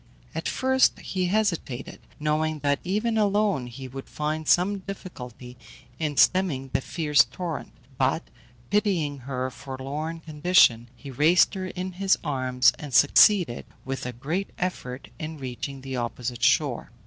At first he hesitated, knowing that even alone he would find some difficulty in stemming the fierce torrent; but, pitying her forlorn condition, he raised her in his arms, and succeeded, with a great effort, in reaching the opposite shore.